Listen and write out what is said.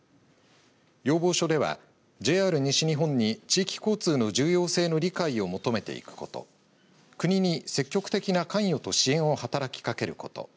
要望書ではＪＲ西日本に地域交通の重要性の理解を求めていくこと国に積極的な関与と支援を働きかけること。